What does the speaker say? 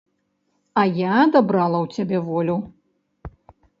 А я адабрала ў цябе волю?